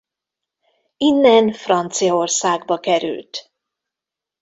Innen Franciaországba került.